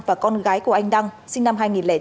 và con gái của anh đăng sinh năm hai nghìn tám